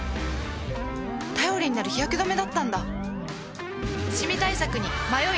頼りになる日焼け止めだったんだ